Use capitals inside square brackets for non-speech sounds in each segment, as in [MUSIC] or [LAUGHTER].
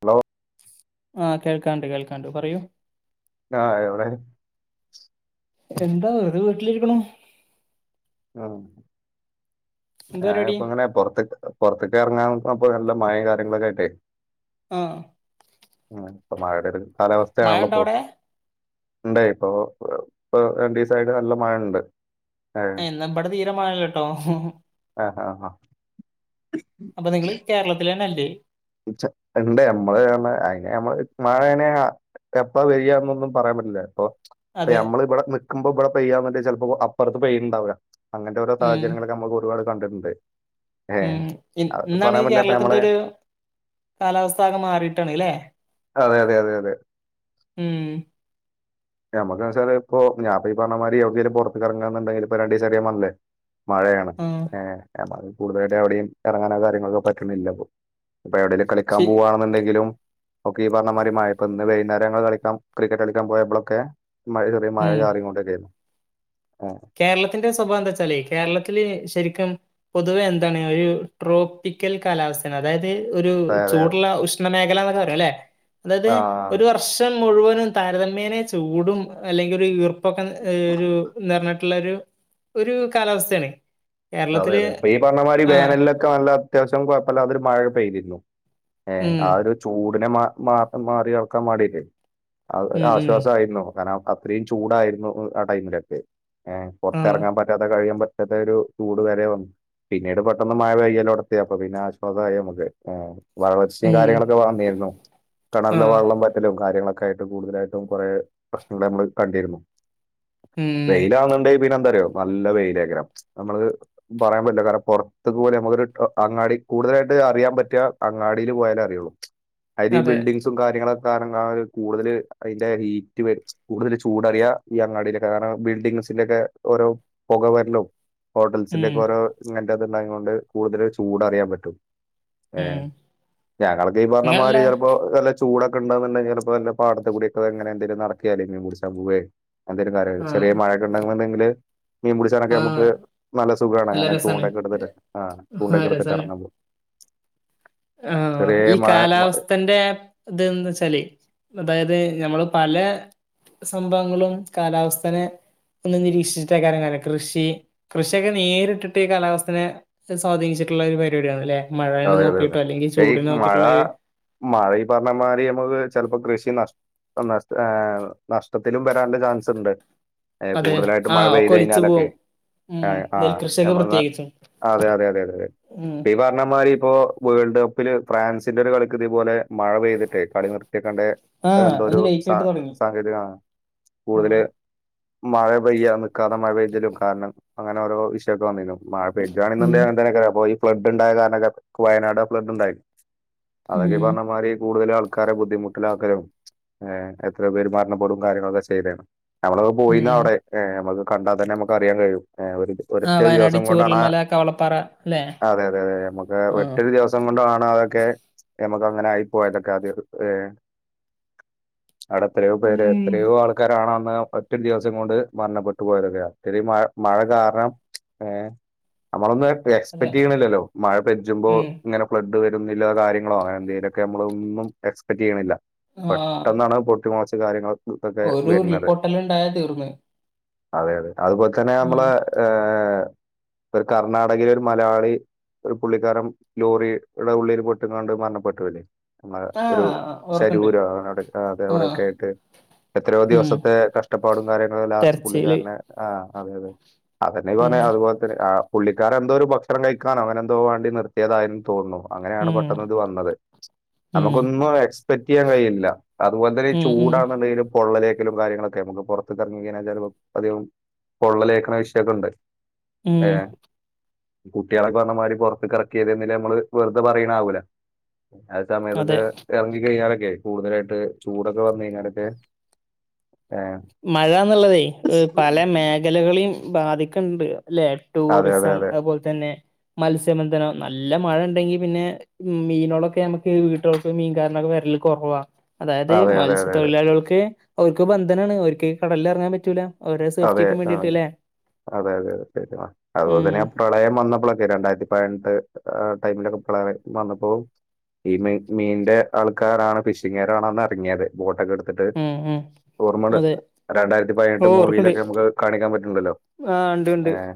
Hello ആഹ് കേൾക്കാണ്ട് കേൾക്കാണ്ട് പറയൂ ആഹ് എവിടെ എന്താ വെറുതെ വീട്ടിലിരിക്കണ ഉം എന്താ പരിപാടി ഞാനപ്പങ്ങനെ പൊറത്ത പുറത്തൊക്കെ ഇറങ്ങാൻക്കപ്പോ നല്ല മഴയും കാര്യങ്ങളൊക്കെ ആയിട്ടേ ആഹ് ഉം ഇപ്പൊ മഴയുടെ ഒരു മഴ കാലാവസ്ഥയാണല്ലോ ഉണ്ടോ പോ അവിടെ ഉണ്ടേ ഇപ്പൊ ഇപ്പ എ ഡി സൈഡ് നല്ല മഴ ഉണ്ട് ഏ ഏഹ് എന്നാവിടെ തീരമഴല്ലട്ടോ ആഹ് ആഹ് ആ അപ്പൊ നിങ്ങള് കേരളത്തിലന്നെല്ലേ [UNINTELLIGIBLE] എപ്പാ വരികാ എന്നൊന്നും പറയാൻ പറ്റില്ല അപ്പൊ പ്പ അതെ ഞമ്മൾ ഇവിടെ നിക്കുമ്പോ ഇവിടെ പെയ്യന്നേ ചിലപ്പോ അപ്പുറത്ത് പെയ്യുണ്ടാവ അങ്ങനത്തെ ഓരോ ഉം സാഹചര്യങ്ങളൊക്കെ നമ്മക്ക് ഒരുപാട് കണ്ടിട്ടുണ്ട് ഏഹ് ഉം അതൊന്നും ഇന്നാണ് പറയാൻ ഈ പറ്റില്ല അപ്പൊ കേരളത്തിന്റെ നമ്മള് ഒരു കാലാവസ്ഥകെ മാറിയിട്ടാണ് ല്ലെ അതെ അതെ അതെ അതെ ഉം മുക്കനസാരി ഇപ്പോ ഞാൻപ്പോ ഈ പറഞ്ഞ മാരി ഇവിടേക്കെങ്കിലും പുറത്ത്റങ്ങാന്നുണ്ടെങ്കിൽ ഇപ്പൊ രണ്ടീസായിട്ട് ഞാൻ പറഞ്ഞില്ലേ മഴയാണ് ആഹ് ഏഹ് കൂടുതലട്ടും എവിടെയും ഇറങ്ങാനോ കാര്യങ്ങളൊക്കെ പറ്റണില്ല പ്പൊ ഇപ്പൊവിടെലും കളിക്കാൻ ശരി പോവുകവാണുണ്ടെങ്കിലും ഒക്കെ ഈ പറഞ്ഞ മാരി മഴപ്പോ ഇന്ന് വൈകുന്നേരങ്ങള് കളിക്കാം ക്രിക്കറ്റ് കളിക്കാൻ പോയപ്പോളും ഒക്കെ മഴ ചെറിയ മഴ ഉം ചാറിക്കൊണ്ടന്നെയെന്നു കേരളത്തിന്റെ സ്വഭാവം എന്താച്ചാലേ കേരളത്തില് ശെരിക്കും പൊതുവെ എന്താണ് ഒരു ട്രോപ്പിക്കൽ കാലാവസ്ഥ അതായത് ഒരു അതെ അതെ ചൂടുള്ള ഉഷ്ണമേഖല എന്നൊക്കെ പറയും അല്ലെ അതായത് ആഹ് ഒരു വർ ൻ മുഴുവനും താരതമ്യേനെ ചൂടും അല്ലെങ്കിൽ ഒരു ഈർപ്പൊക്കെ ഒരു ന്ന് ട്ട് ള്ളൊരു കാലാവസ്ഥണ് അതെ അതെ പ്പ ഈ പറഞ്ഞമാരി വേനലി ക്കെ നല്ല അത്യാവശ്യം കൊഴപ്പതൊരു മഴ പെയ്തിരുന്നു ഏഹ് ഉം ആ ഒരു ചൂടിനെ മാ മാ മാറി കടക്കാൻ വാണ്ടീറ്റ് ആ ഉം ഉം ഒരാശ്വാസയിരുന്നു കാരണം അത്രയും ചൂടായിരുന്നു ആ ടൈമിലൊക്കെ ഏ ആഹ് പുറത്ത്റങ്ങാൻ പറ്റാത്ത കഴിയാൻ പറ്റാത്ത ഒരു ചൂട് വെരെ വന്നു പിന്നീട് പെട്ടെന്ന് മഴയ്യാലോടത്തി അപ്പൊ പിന്നെ ആശ്വാസായി നമക്ക് ഏഹ് വളർച്ചയും ഉം കാര്യങ്ങളൊക്കെ വന്നിരുന്നു കെണറിലെ ആഹ് വെള്ളം വറ്റലും കാര്യങ്ങളൊക്കെ ആയിട്ട് കൂടുതലായിട്ടും കുറേ പ്രശ്നങ്ങൾ നമ്മൾ കണ്ടിരുന്നു ഉം വെയിലാവുന്നുണ്ടെൽ പിന്നെ എന്താറിയോ നല്ല വെയിലാക്കാരം നമ്മള് പറയാൻ പറ്റില്ല കാരണം പുറത്തേക്ക് പോലെ നമുക്കൊരു അങ്ങാടി കൂടുതലായിട്ട് അറിയാൻ പറ്റ അങ്ങാടിൽ പോയാലേ അറിയുള്ളൂ അതായത് ഈ അതെ ബിൽഡിംഗ്സും കാര്യങ്ങളൊക്കെ കാര കൂടുതൽ അതിന്റെ ഹീറ്റ് വര കൂടുതൽ ചൂടറിയാ ഈ അങ്ങാടിയിലൊക്കെ കാരണം ബിൽഡിംഗസിലൊക്കെ ഓരോ പുകവരലും ഹോട്ടൽസിന്റെ ഉം ഒക്കെ ഓരോ ഇങ്ങനത്തെ അത്ണ്ടയാതൊണ്ട് കൂടുതൽ ചൂട് അറിയാൻ പറ്റും ഉം ഏഹ് ഞങ്ങളൊക്കെ ഈ പറഞ്ഞ ഇങ്ങനെയുള്ള മാരി ചിലപ്പോ ചൂടൊക്കെണ്ടന്നുണ്ടെങ്കി ചെലപ്പോ വല്ല പാടത്തെ കൂടിക്കെങ്ങന എന്തെലും നടക്കെ അല്ലെങ്കി പുടിച്ചാൻ പോവേ എന്തെലും കയ ചെറിയ ആഹ് മഴയക്കെ ഉണ്ടുന്നുണ്ടെങ്കില് മീൻ പിടിച്ചാനൊക്കെ ആഹ് നമുക്ക് നല്ല സുഖണ് നല്ല അങ്ങനെ രസാണ് ചൂണ്ടൊക്കെ എടുത്തിട്ട് ആഹ് ചൂണ്ടൊക്കെ എടുത്തിട്ട് കറങ്ങാൻ പോവും ഹ് ഈ കാലാവസ്ഥന്റെ ഇതെന്ന് വെച്ചാല് അതായത് ഞമ്മള് പല സംഭവങ്ങളും കാലാവസ്ഥനെ ഒന്ന് നിരീക്ഷിച്ചിട്ടയിക്കാരം കാര്യഒന്ന് കൃഷി കൃഷിയൊക്കെ നേരിട്ടിട്ട് ഈ കാലാവസ്ഥനെ സ്വാധീച്ചിട്ടുള്ളരു പരിപാടിയാണ് ല്ലെ മഴേനെ അതെ അതെ നോക്കി അതെ ട്ടോ അല്ലെങ്കിൽ പക്ഷേ ഈ ചൂടിനേ മഴ നോക്കിയിട്ടോ മഴ ഈ പറഞ്ഞമാരി നമുക്ക് ചിലപ്പോ കൃഷി നഷ് നഷ് ഏ നഷ്ടത്തിലും വരാണ്ട ചാൻസ് ണ്ട് ഏ അതെ കൂടുതലായിട്ടും മഴ ആഹ് ഒക്കെ പെയ്ത് ഒലിച്ചു കഴിഞ്ഞാലൊക്കെ പോവും ഉം ഹ് ആ നെൽകൃഷിയൊക്കെ നമ്മളെ നാ പ്രത്യേകിച്ചും അതെ അതെ അതെ അതെ അതെ ഉം പിപാ പർഞമാധിരി മാരിപ്പോ വേൾഡ് കപ്പില് ഫ്രാൻസിന്റെ ഒരു കളിക്ക് ഇതുപോലെ മഴ പെയ്തിട്ടേ കളി നിർത്തി വെക്കേണ്ട അത് ആഹ് എന്തോരു ലേറ്റ് സ ആയിട്ട് തുടങ്ങി സാങ്കേതികമാണ് ആഹ് കൂടുതല് മഴ പെയ്യാൻ നിൽക്കാതെ മഴ പെയ്തിലും കാരണം അങ്ങനെ ഓരോ വിഷയൊക്കെ വന്നിന്നു മഴ ഉം പെജ്ജാണെന്നുണ്ടെങ്കിൽ അങ്ങനെ തന്നെ ആയിക്കാരം അപ്പോ ഈ ഫ്ലഡ്ണ്ടായ കാരണൊക്കെ വയനാട് ഫ്ലെഡ് ണ്ടായി ഉം അതൊക്കെ ഈ പറഞ്ഞ മാരി കൂടുതൽ ആൾ ആൾക്കാരെ ബുദ്ധിമുട്ടിലാക്കലും എത്ര പേര് മരണപ്പെടും കാര്യങ്ങളൊക്കെ ചെയ്യലെന്ന് നമ്മളൊക്കെ പോയി ഉം ന് ഉം അവടെ നമ്മക്ക് കണ്ടാൽ തന്നെ നമുക്ക് അറിയാൻ കഴിയും ഒരു ഒരൊറ്റ ആഹ് വയനാട് ദിവസം കൊണ്ടാണ് ആ ചൂരൽമല കവളപ്പാറ അല്ലെ അതെ അതെ അതെ നമുക്ക് ഒറ്റ ആഹ് ദിവസം കൊണ്ടണ അതൊക്കെ നമുക്ക് അങ്ങനെ ആയി പോയതൊക്കെ ആഹ് അവിടെ എത്രയോ പേര് ഉം എത്രയോ ആൾക്കാരാണോ അന്ന് ഒറ്റ ദിവസം കൊണ്ട് മരണപ്പെട്ടു പോയതൊക്കെയാണ് ഒത്തിരി മഴ മഴ കാരണം ഏഹ്‌ നമ്മളൊന്നും അതെ എക്സ്പെക്ട് ചെയ്യണില്ലല്ലോ മഴ പെജൂപ്പോ ഉം ഇങ്ങനെ ബ്ലഡ്‌ വരുന്നില്ലോ കാര്യങ്ങളോ അങ്ങന എന്തെങ്കിലൊക്കെ നമ്മള ഒന്നും എക്സ്പെക്ട് ചെയ്യണില്ല ആഹ് പെട്ടെന്നാണ് പൊട്ടിമോളച്ച് കാര്യങ്ങൾ ഇതൊക്കെ ഒരു വരുന്നത്. ഉരുൾപൊട്ടൽ ഉണ്ടായ തീർന്ന് അതെ അതെ അതുപോലെ തന്നെ ഉം നമ്മള് ഏഹ്‌ ഒരു കർണാടകയില ഒരു മലയാളി ഒരു പുള്ളിക്കാരൻ ലോറിയുടെ ഉള്ളില് പെട്ട് കാണ്ട് മരണപ്പെട്ടുല്ലേ നമ്മ ഒരു ആഹ് ഓർക്ക്ണ്ട് ശരൂര ആവിടെ അത ആഹ് അവിടെക്കെ ആയിട്ട് എത്രയോ ഉം ദിവസത്തെ കഷ്ടപ്പാടും കാര്യങ്ങളും ലാസ്റ്റ് തെരച്ചില് പുള്ളിക്കാരന് ആഹ് അതെ അതെ അതെന്നെ ഉം പറഞ്ഞ അതുപോലെന്നെ ആ പുള്ളിക്കാരർ എന്തോ ഒരു ഭക്ഷണം കഴിക്കാനോ അവനെന്ത തോവണ്ടി നിർത്തിയതായി തോന്നുന്നു അങ്ങനെയാണ് ഉം പെട്ടെന്ന് ഇത് വന്നത് ഉം നമുക്കൊന്നും എക്സ്പെക്ട് ചെയ്യാൻ കഴിയില്ല അതുപോലെ തന്നെ ഈ ഉം ഉം ചൂടാന്നുള്ളെങ്കിലും പൊള്ളലേക്കലും കാര്യങ്ങളൊക്കെ നമുക്ക് പുറത്ത് ഇറങ്ങ കഴിഞ്ഞാൽ ചിലപ്പോൾ അധികവും പൊള്ളലേക്കണ വിഷയൊക്കെ ഉണ്ട് ഉം ഏഹ്‌ കുട്ടികളൊക്കെ പറഞ്ഞ മാതിരി പുറത്ത് ഇറക്കിനകിലേ നമ്മള് വെറുതെ പറയണ ആവൂല ആ അതെ സമയത്തൊക്കെ ഇറങ്ങി കഴിഞ്ഞാലൊക്കെ കൂടുതലായിട്ട് ചൂടൊക്കെ വന്ന് കഴിഞ്ഞാാലൊക്കെ മഴ ന്നുള്ളതേ പല മേഖലകളെയും ബാധിക്കണ്ട് അല്ലെ അതെ അതെ ടൂറിസം അതെ അതുപോലെ തന്നെ മത്സ്യബന്ധനം നല്ല മഴ ഉണ്ടെങ്കി പിന്നെ ഉം മീനുകളൊക്കെ നമുക്ക് വീട്ടിലൊക്ക് മീൻകാരനൊക്കെ വരല് കുറവാ അതായത് അതെ അതെ മത്സ്യത്തൊഴിലാളികൾക്ക് അവർക്ക് ബന്ധനാണ് അവർക്ക് കടലിൽ ഇറങ്ങാൻ പറ്റൂല അവരെ അതെ സേഫ്റ്റിക്കും വേണ്ടിട്ട് ആഹ്‌ ല്ലെ അതെ അതെതെ ശരി എന്ന അതുപോലെ ഉം തന്നെ നമുക്ക് പ്രളയം വന്നപ്പോഴൊക്കെ രണ്ടായിരത്തി പതിനെട്ട് ടൈമിലൊക്കെ പ്രളയം വന്നപ്പോ ഈ മീ മീന്റെ ആൾക്കാരാണ് ഫിഷിംഗാരാണന്ന് ഇറങ്ങിയത് ബോട്ടൊക്കെ എടുത്തിട്ട് ഉം ഉം ഓർമ്മ അതെ രണ്ടായിരത്തി ഓ പതിനെട്ട് മൂവിയിലൊെ ഓർക്കണ്ട് ഞമ്മക്ക് കാണിക്കാൻ പറ്റ്ണ്ടല്ലോ ആ ഉണ്ട് ഉണ്ട് ഏഹ്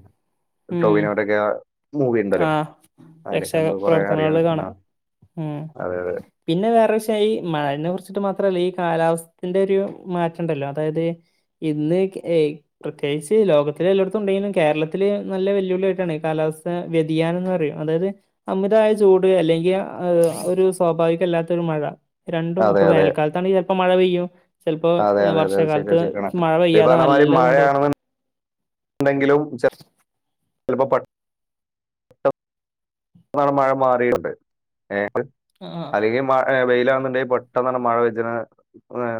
ഉം ടോവിനോവിടോക്കെ മൂവി ഉണ്ടല്ലോ ആഹ് അതിലൊക്കെ രക്ഷാ ഞമ്മള് കൊറെ അറിയാൻ പ്രവർത്തനങ്ങളിൽ പറ്റുന്ന കാണാം ഉം അതെ അതെ. പിന്നെ വേറെ വിഷയം ഈ മഴനെ കുറിച്ചിട്ട് മാത്രല്ല ഈ കാലാവസ്ഥത്തിന്റെ ഒരു മാറ്റം ഉണ്ടല്ലോ അതായത് ഇന്ന് ക്കെയ് പ്രത്യേകിച്ച് ലോകത്തിലെ എല്ലോടുത്തും ഉണ്ടെലും കേരളത്തില് നല്ല വെല്ലുവിളിയ ആയിട്ടാണ് ഈ കാലാവസ് വ്യതിയാനം എന്ന് പറയും അതായത് അമിതായ ചൂട് അല്ലെങ്കി ആ ഒരു സ്വാഭാവികല്ലാത്ത ഒരു മഴ. രണ്ടും അതെ ഇപ്പൊ അതെ വേനൽകാലത്ത് ആണെങ്കി ചെൽപ്പോ മഴ പെയ്യും. ചിലപ്പോ അതെ അതെ അതെ ശരിയാ വർഷകാലത്ത് ശരിയാണ് മഴ ഈ പെയ്യാതെ നല്ലാത് ഇണ്ടോ. ഉണ്ടങ്കിലും ചെ ചെലപ്പോ പ മഴ മാറിയുണ്ട് ആ അല്ലെങ്കിൽ മഴ് വെയിലാണ് ന്ന് ഉണ്ടെങ്കി പെട്ടെന്നണ് മഴ വെജ്ജണെ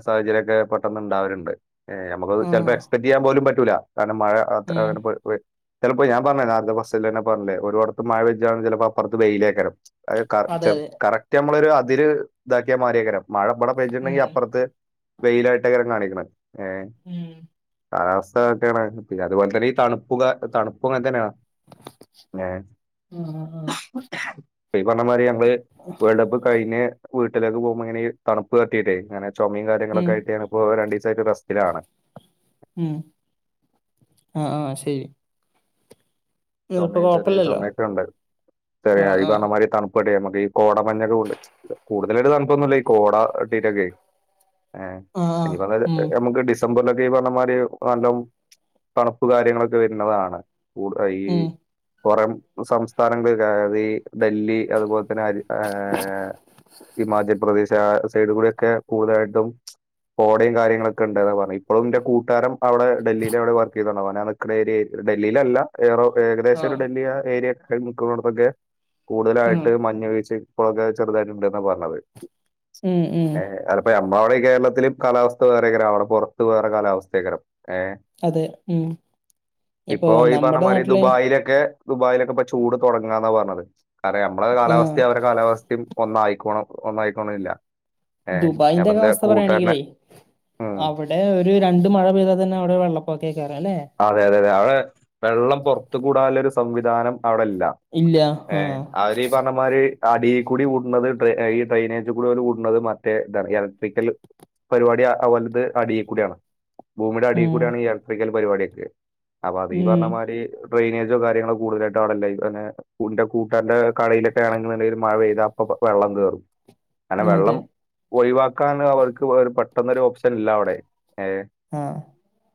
സാഹചര്യം ഒക്കെ പെട്ടെന്ന് ഉണ്ടാവരുണ്ട്. ഏഹ്‌ ഞമ്മക്ക് ചെലപ്പോ ആഹ് എക്സ്പെക്ടെയ്യാൻ പോലും പറ്റൂല കാരണം മഴ അത്ര ഉം ഏഹ് ചിലപ്പോ ഞാൻ പറഞ്ഞേ നേരത്തെ ബസ്സൽന്നെ പറഞ്ഞില്ലേ ഒരുഓടത്ത് മഴ വെച്ചാണ് ചിലപ്പോപ്പറത്ത് വെയിലേക്കരം. അത് അതെ കറക്റ്റ് അതെ കറക്റ്റ് നമ്മള് ഒരു അതിര് ഇതാക്കിയ മാറിയെക്കാരം. മഴ ഇബടെ പെയ്ജണ്ടെങ്കി ഉം അപ്പറത്ത് വെയിലായിട്ടെകാരം കാണിക്കണ്. ഏഹ് ഉം കാലാവസ് ത്ത ഒക്കെ ആണ് പിന്നെ അതുപോലെ തന്നെ ഈ തണുപ്പുക തണുപ്പും അങ്ങനെ തന്നെയാണ് ഏഹ്‌. ആഹ് ആഹ്. പ്പീ പറഞ്ഞ മാതിരി ഞങ്ങള് വേൾഡ് കപ്പ് കഴിഞ്ഞ് വീട്ടിലേക്ക് പോവുമ്പോ ഇങ്ങനെ തണുപ്പ് തട്ടിട്ടേ ഇങ്ങനെ ചുമയും ഉം കാര്യങ്ങളൊക്കെ ആട്ട് ഇപ്പോ രണ്ട് ദിവസമായിട്ട് റസ്റ്റിലാണ്. ഉം ആഹ് ആഹ് ശരി. ഇപ്പൊ ചൊമയും ചെറിയ കൊഴപ്പില്ലല്ലോ ചൊമയൊക്കെ ഉണ്ട് ചെറിയ ആഹ് ഈ ആഹ് പറഞ്ഞ മായിരി തണുപ്പ് നമുക്ക് ഈ കോട മഞ്ഞൊക്കെ കൂടുതലട്ട് തണുപ്പൊന്നുമല്ല ഈ കോട തട്ടിട്ട് ഒക്കെ. ഏഹ് ആഹ് ആഹ് ഇനിപ്പ അതായത് ഉം ഞമ്മക്ക് ഡിസ് സംബറിലൊക്കെ ഈ പറമാതിരി നല്ല തണുപ്പ് കാര്യങ്ങളൊക്കെ വരുന്നതാണ് കൂട് ഈ ഉം പുറം സംസ്ഥാനങ്ങള് അതായത് ഈ ഡെല്ലി അതുപോലെ തന്നെ ആഹ് ഹിമാചൽ പ്രദേശ് ആ സൈഡ് കൂടെയൊക്കെ കൂടുതലായിട്ടും കോടയും കാര്യങ്ങളൊക്കെ ഉണ്ടന്ന് പറഞ്ഞ് ഇപ്പോളും ഇന്റെ കൂട്ടുകാരൻ അവിടെ ഡെല്ലില് അവിടെ വർക്ക് ചെയ്തുണ്ടാവ ഓനാ രി ഡെല്ലിയിലല്ല ഏറോ ഏകദേശം ആഹ് ഒരു ഡൽഹിയ ഏരിയ നിക്കുന്നടത്തൊക്കെ ഉം കൂടുതലായിട്ട് മഞ്ഞ് വീഴച്ച്. ഇപ്പോഴൊക്കെ ചെറുതായിട്ട് ഇണ്ട് ന്ന പറഞ്ഞത്. ഉം ഉം അപ്പ ഞമ്മളെ അവിടെ കേരളത്തില് കാലാവസ്ഥ വേറെക്കരം അവിടെ പുറത്ത് വേറെ കാലാവസ്ഥയൊക്കരം ഏഹ്. അതെ ഉം ഇപ്പൊ നമ്മുടെ നാട്ടിലെ ലൊക്കെ ദുബായിലൊക്കെ ഇപ്പോ ചൂട് തുടങ്ങാന്ന പറഞ്ഞത് കാരണം നമ്മുടെ ആഹ് കാലാവസ്ഥയും കാലാവസ്ഥ ഒന്നായിക്കോണം ഒന്നായിക്കോണന്നില്ല. ദുബായിന്റെ ഒക്കെ അവസ്ഥ പറയാണെങ്കിലെ ഉം അവിടെ ഒരു രണ്ട് മഴ പെയ്ത തന്നെ അവിടെ വെള്ളപ്പൊക്കെക്കാരും അല്ലേ? അതെ അതെതെ അവിടെ വെള്ളം പുറത്ത്ക്ക് വിടാനുള്ള സംവിധാനം അവിടെ ഇല്ല. ഇല്ല ഏഹ് ആഹ് ആ ഒര് ഈ പറമാരീ അടിയി കൂടി കൂടുന്നത് ഈ ഡ്രെനേജ് കൂടി കൂടുന്നത് മറ്റേ ഇതാണ് ഇലക്ട്രിക്കൽ പരിപാടി ഓലത് അടീ കൂടിയാണ് ഭൂമിടെ അടീ ഉം കൂടിയാണ് ഇലക്ട്രിക്കൽ പരിപാടിയൊക്കെ അപ്പൊ അത് ഈ പറഞ്ഞ ഉം മാരി ഡ്രെയിനേജോ കാര്യങ്ങളോ കൂടുതലായിട്ട് അവിടില്ല ഇൻ്റെ കൂട്ടരൻ്റെ കടയിലൊക്കെ ആണ് ന്ന് ഇണ്ടെങ്കി മഴ പെയ്താ അപ്പൊ വെള്ളം കേറും. അങ്ങനെ വെള്ളം അതെ ഒഴിവാക്കാന് അവൾക്ക് പെട്ടെന്നൊരു ഓപ്ഷനില്ല അവിടെ ഏഹ്. ആഹ്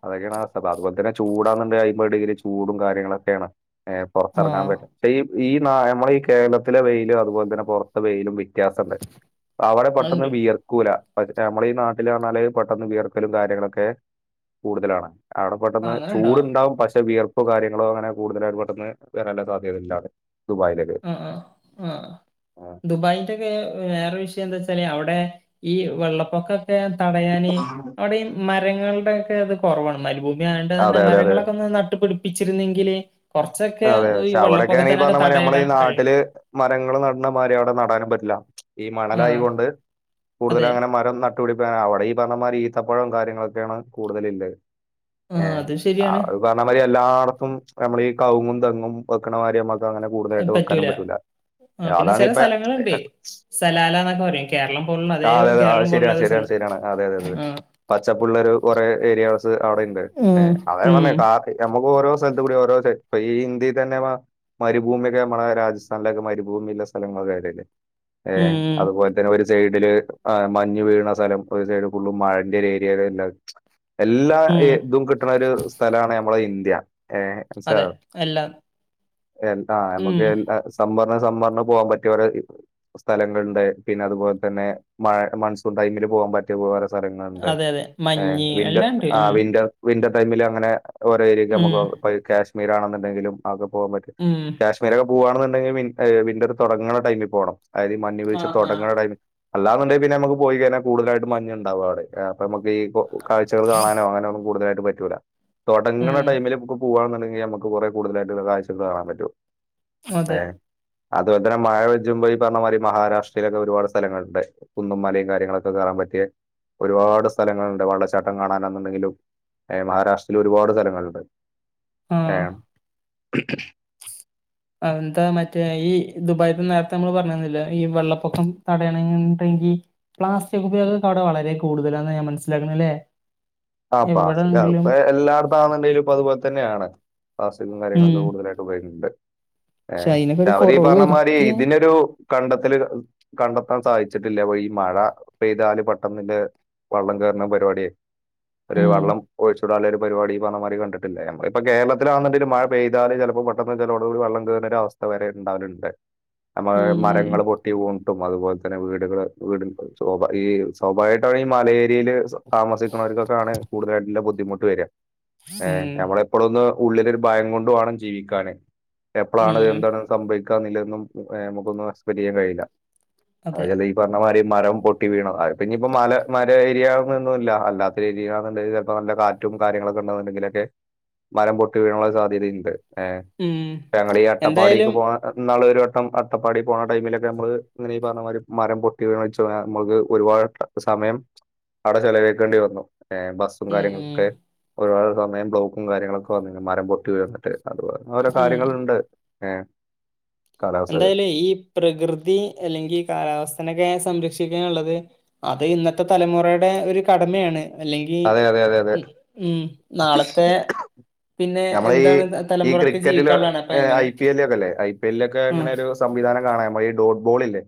അതൊക്കെയാണ് അവസ്ഥ. അപ്പൊ അതുപോലെ തന്നെ ചൂടാന്ന്ണ്ടെ അയ്മ്പത് ഡിഗ്രി ചൂടും കാര്യങ്ങളൊക്കെയാണ് ഏഹ്. പൊറത്തെറങ്ങാൻ ആഹ് പറ്റ് പക്ഷേ ഈ ഈ നാ നമ്മളെ ഈ കേരളത്തിലെ വെയിലും അതുപോലെ തന്നെ പൊറത് ത്തെ വെയിലും വ്യത്യാസണ്ട്. അവിടെ പെട്ടെന്ന് അണ്ട് വിയർക്കൂല. പ നമ്മളെ ഈ നാട്ടില് വന്നാല് പെട്ടെന്ന് വിയർക്കലും കാര്യങ്ങളൊക്കെ കൂടുതലാണ്. അവിടെ പെട്ടെന്ന് ആഹ് അങ്ങനെണ്ടോ ചൂടുണ്ടാവും പക്ഷേ വിയർപ്പ് കാര്യ നിങ്ങള് അങ്ങനെ കൂടുതലായിട്ട് പെട്ടെന്ന് വരാനുള്ള സാധ്യത ഇല്ലാല്ലെ ദുബായിലേ ആഹ് ആഹ് ആഹ്. ദുബായ് ടെ വേ വേറെ വിഷയം എന്താച്ചാല് അവിടെ ഈ വെള്ളപ്പൊക്ക തടയാന് അവിടെ ഈ മരങ്ങളുടെ ഒക്കെ അത് കുറവാണ് മരുഭൂമി വേണ്ടതന്നെ അതെ, അതെ, അതെ. മരങ്ങളൊക്കെ ഒന്ന് നട്ടു പിടിപ്പിച്ചിരുന്നെങ്കില് കൊറച്ചൊക്കെ അതെ. ഈ പക്ഷെ അവിടെയൊക്കെയാണ് ഈ വെള്ളപ്പൊക്കത്തിനൊക്കെ പറഞ്ഞ മാതിരി നമ്മളെ തടയിടാൻ ഈ കഴിയും. നാട്ടില് മരങ്ങള് നടണ മാരി അവിടെ നടാനും പറ്റില്ല. ഈ ആ മണലായോണ്ട് കൂടുതലു അതെ. അങ്ങനെ മരം ന അവടിപ്പ അവിടെ ഈ പറഞ്ഞമാതിരി ഈത്തപ്പഴവും കാര്യങ്ങളൊക്കെയാണ് കൂടുതലിള്ളെ. ആ ഏഹ്. അത് ശരിയാണ്. അത് പറഞ്ഞ മാതിരി എല്ലാടത്തും നമ്മളീ കവുങ്ങും തെങ്ങും വെക്കണമാതിരി നമ്മ അങ്ങനെ കൂടുതായിട്ട് വെക്കാനും പറ്റൂല്ല. ആഹ് പിന്നെ ചെല സ്ഥലങ്ങള്ണ്ട്. സലാല എന്നൊക്കെ പറയും. കേരളം പോലുള്ള അതേ കേരളം പോലുള്ള അതേ സ്ഥലം. തരാണ്. അതെ അതെ അതെ. ആ. പച്ചപ്പുള്ള ഒരു കുറേ ഏരിയാസ് അവിടെ ഉണ്ട്. ഉം. ഏഹ്. അതാ ഞാൻ ഉം. പറഞ്ഞെ കാ ഇഹ് അമ്മക്കോരോ സ്ഥലത്ത് കൂടി ഓരോ ചെ അപ്പൊ ഈ ഇന്ത്യയി തന്നെ മരുഭൂമിയൊക്കെ നമ്മളെ രാജസ്ഥാനിലൊക്കെ മരുഭൂമിയുള്ള സ്ഥലങ്ങൾ വേറെയില്ലേ? ഉം ഏഹ് ഉം. അതുപോൽ നെ ഒരു സൈഡില് ഈഹ് മഞ്ഞ് വീഴണ സ്ഥലം ഒരു സൈഡ് ഫുള്ളും മഴന്റെ ഒരു ഏരിയല്ലെ എല്ലാ ഉം. ഇതും കിട്ടണ ഒരു സ്ഥലാണ് നമ്മളെ ഇന്ത്യ. ഏഹ് അതെ. മനസ്സിലായോ? എല്ലാം എൽ ആഹ് ഉം. നമ്മക്ക് സമ്മറിന് സമ്മറിന് പോവാൻ പറ്റിയവരെ സ്ഥലങ്ങള്ണ്ട്. പിന്നെ അതുപോലെ തന്നെ മഴ മൺസൂൺ ടൈമിൽ പോകാൻ പറ്റി റ്റ് പോവാന് സ്ഥലങ്ങള്ണ്ട്. അതെ അതെ. ഏഹ്? മഞ്ഞ് വിന്റോ എല്ലാം ഉണ്ട്. ഉം. ആഹ് വിന്റോ വിന്റർ ടൈമില് അങ്ങനെ ഓരോ ഏര്യൊക്കെ ഉം. അമ്മക്ക് കാശ്മീർ ആണെന്ന്ണ്ടെങ്കിലും അതൊക്കെ പോവാൻ പറ്റും. ഉം. ഇവരൊക്കെ പോവാണെന്നുണ്ടെങ്കിൽ വി ഈഹ് വിന്റർ തൊടങ്ങണ ടൈമി പോണം. അതായത് മഞ്ഞ് വീഴ്ച്ച ആഹ് ആഹ് തൊടങ്ങണ ടൈമിൽ അല്ലാന്ന്ണ്ടെങ്കിൽ പിന്നെ നമുക്ക് പോയി കഴിഞ്ഞാ കൂടുതലായിട്ട് മഞ്ഞുണ്ടാവു അവിടെ. ഈഹ് അപ്പൊ നമുക്കീ കോ കാഴ്ചകള് കാണാനോ അങ്ങനൊന്നും കൂടുതലായിട്ട് പറ്റൂല്ല. തൊടങ്ങണ ഉം ടൈമില് നമുക്ക് പോവാന്നുണ്ടെങ്കിൽ നമുക് ക് കൊറെ കൂടുതലായിട്ട്ള്ള കാഴ്ചകള് കാണാൻ പറ്റൂ. അതെ ഏഹ്. അതുപോലെ തന്നെ മഴ പെജ്ജുമ്പോ ഈ പറഞ്ഞ മാതിരി മഹാരാഷ്ട്രയിലൊക്കെ ഒരുപാട് സ്ഥലങ്ങള്ണ്ട്. കുന്നും മലയും കാര്യങ്ങളൊക്കെ കേറാൻ പറ്റിയ ഒരുപാട് സ്ഥലങ്ങള്ണ്ട്. വെള്ളച്ചാട്ടം കാണാനാന്ന്ണ്ടെങ്കിലും ഏഹ് മഹാരാഷ്ട്രയിലൊരുപാട് സ്ഥലങ്ങള്ണ്ട്. ആഹ് ഏഹ്. അതെന്താ മറ്റേ ഈ ദുബായിത്തെ നേരത്തെ നമ്മള് പറഞ്ഞിരുന്നില്ലേ, ഈ വെള്ളപ്പൊക്കം തടയണന്ന്ണ്ടെങ്കി പ്ലാസ്റ്റിക് ഉപയോഗൊക്കെ അവിടെ വളരെ കൂടുതലാന്നാ ഞാൻ മനസ്സിലാക്കണെ, അല്ലേ? ആഹ് പ്ലാസിൽ, അതിപ്പ എല്ലാടത്താണണ്ടേലും ഇപ്പൊ അത്പോലെ തന്നെയാണ്. പ്ലാസ്റ്റിക്കും ഉം കാര്യങ്ങളൊക്കെ കൂടുതലായിട്ട് ഉപയോഗിക്ക്ണ്ട്. പക്ഷെ ഏഹ്. അയിനൊക്കെ മറ്റേ ഒരു അവരീ കൊറവ് പറഞ്ഞ മാതിരി വരുത്തിയ ഇതിനൊരു കണ്ടെത്തല്കൾ, കണ്ടെത്താൻ സാധിച്ചിട്ടില്ല. അപ്പൊ ഈ മഴ പെയ്താല് പെട്ടെന്നില്ലെ വെള്ളം കയറുന്ന പരിപാടിയെ, ഒരു ഉം വെള്ളം ഒഴിച്ചൂടാന്ള്ള ഒരു പരിപാടി ഈ പറഞ്ഞ മാതിരി കണ്ടിട്ടില്ല. ഞമ്മളിപ്പ കേരളത്തിലാന്ന്ണ്ടേല് മഴ പെയ്താല് ചെലപ്പോ പെട്ടെന്ന് ചിലോട് കൂടി വെള്ളം കേറുന്നൊരു അവസ് വരെ ഉണ്ടാവലുണ്ട് ഞമ്മ ഉം മരങ്ങള് പൊട്ടു ട്ടും അതുപോലെ തന്നെ വീടള് ഈ സ്വാഭാവികട്ട ഈ മലേരിയില് താമസിക്കുന്ന വര്ക്കക്കാണ് കൂടുതലായിട്ടുള്ള ബുദ്ധിമുട്ട് വരിക ഉം നമ്മളെ ഇപ്പോളൊന്ന് ഉള്ളിലൊരു ഭയം കൊണ്ട് വേണം ജീവിക്കാാന്ൻ എപ്പോഴാണ്ത് ഉം എന്താണ് സംഭവിക്കാല്ലന്നും നമുക്കൊന്നും അസ്പറ്റ് ചെയാൻ കഴിയില്ല. അത് അതെ ചെലെ പറഞ്ഞമാതിരി മരം പൊട്ടി വീണു അത്പിന്നെ മല മര ഏരിയൊന്നുംല്ല അല്ലാത്തെ ഏരിയ നല്ല ചിലപ്പൊ കാറ്റും കാര്യങ്ങളൊക്കെണ്ടെന്നുെങ്കിലൊക്കെ മരം പൊട്ടി വീഴാനുള്ള സാധ്യതയുണ്ട്. ഏ ഉം ഞങ്ങുടെ ഈ അട്ടപ്പാടിക്ക് എന്തായാലും പോവുന്ന ഇന്നാള് ഒരു വട്ടം അട്ടപ്പാടി പോണ ടൈമിലൊക്കെ നമ്മള് ഇങ്ങനെ ഈ പറഞ്ഞ മാതിരി മരം പൊട്ടി വീണ് ഇച്ച് തോണാ നമ്മക്ക് ഒരുപാട് സമയം അവിടെ ചിലവഴക്കേണ്ടി വന്നു. ബസ്സും ഉം ഉം കാര്യങ്ങളക്കൊക്കെ ഒരുപാട് സമയം ബ്ലോക്കും കാര്യങ്ങളൊക്കെ വന്നി മരം പൊട്ടി വന്നിട്ട് അതുപോലെ ഓരോ ഉം കാര്യങ്ങളുണ്ട് ഏ എന്തായാലും ഈ പ്രകൃതി അല്ലെങ്കിൽ കാലാവസ്ഥനൊക്കെ സംരക്ഷിക്കാനുള്ളത്. അത് ഇന്നത്തെ തലമുറയുടെ ഒരു കടമയാണ്. അല്ലെങ്കി അതെ അതെ അതെ അതെ ഇ നാളത്തെ പിന്നെ നമ്മള ഈ എന്താണ് ത- ഈ തലമുറക്ക് ക്രിക്കറ്റില് ജീവിക്കാനുള്ളതാണ് അപ്പൊ എങ്ങനെ ഐ പി എല്ല ഒക്കെ അല്ലേ ഐ പി പല്ക്കെ ഉം ഇങ്ങനെ ഒരു സംവിധാനം കാണാൻ ഈ ഡോട്ട് ബോൾ ഇല്ലേ.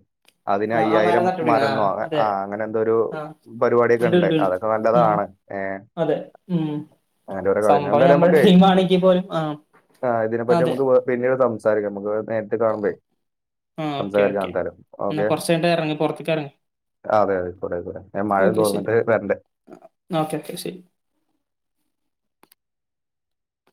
അതിന് ആ ആ അയ്യായിരം മരം നട്ടുപിടിക്കണം മരന്നോ അ അതെ ആ അങ്ങനെ എന്തൊരു ആ പരിപാടിയൊക്കെ ഉണ്ട് അതൊക്കെ നല്ലതാണ്. അതെ ഉം അങ്ങനെ ഓരോ കളി സംഭവം എന്തായാലും ഞമ്മുടെ ടീ നമുക്കേ ആണെങ്കിൽ പോലും ആ ആ ഇതിനെപ്പറ്റി അതെ, നമുക്ക് വേ- പിന്നീട് സംസാരിക്കാം നമുക്ക് നേരിട്ട് കാണുമ്പളേ. ഉം ഓക്കെ ഓക്കെ എന്നാ കുറച്ചു കഴിഞ്ഞിട്ട് ഇറങ്ങി പുറത്തേക്ക് ഇറങ്ങ് അതെ അതെ അയ്ക്കൂടട്ടേ ഞാൻ മഴ തോർന്നിട്ട് വരണ്ടേ ന്ന ഓക്കെ ശരി.